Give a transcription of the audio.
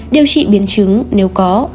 điều trị biến chứng nếu có